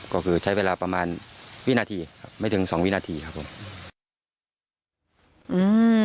ก็คือใช้เวลาประมาณวินาทีครับไม่ถึงสองวินาทีครับผม